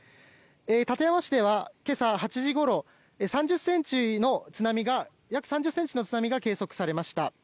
館山市では今朝８時ごろ約３０ｃｍの津波が計測されました。